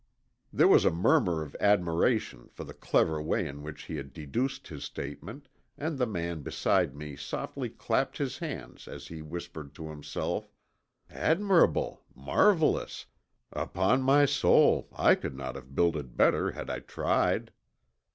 There was a murmur of admiration for the clever way in which he had deduced his statement, and the man beside me softly clapped his hands as he whispered to himself, "admirable, marvelous. Upon my soul I could not have builded better had I tried."